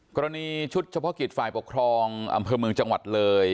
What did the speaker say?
ชุดเฉพาะกิจฝ่ายปกครองอำเภอเมืองจังหวัดเลย